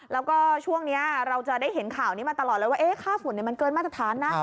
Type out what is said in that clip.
แล้วก็ช่วงนี้เราจะได้เห็นข่าวนี้มาตลอดเลยว่าค่าฝุ่นมันเกินมาตรฐานนะ